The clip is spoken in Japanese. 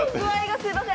すみません。